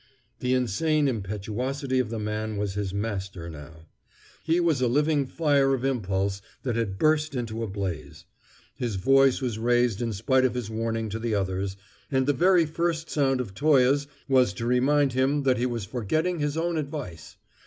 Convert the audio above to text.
The insane impetuosity of the man was his master now. He was a living fire of impulse that had burst into a blaze. His voice was raised in spite of his warning to the others, and the very first sound of Toye's was to remind him that he was forgetting his own advice.